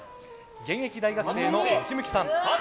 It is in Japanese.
現役大学生のムキムキさん。